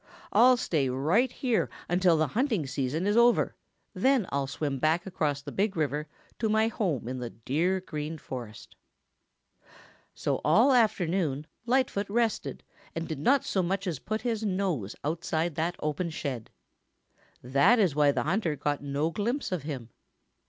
I'll stay right around here until the hunting season is over, then I'll swim back across the Big River to my home in the dear Green Forest." So all afternoon Lightfoot rested and did not so much as put his nose outside that open shed. That is why the hunter got no glimpse of him.